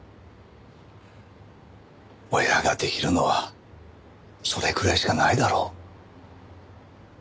親ができるのはそれくらいしかないだろ？